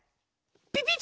ピピッ！